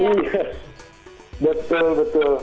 iya betul betul